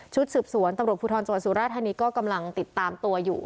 ชุดสืบสวนตำรบภูทรจวนศูนย์ราชธานีก็กำลังติดตามตัวอยู่